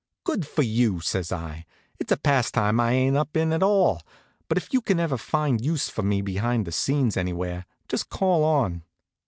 "Good for you!" says I. "It's a pastime I ain't up in at all; but if you can ever find use for me behind the scenes anywhere, just call on."